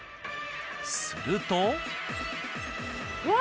すると。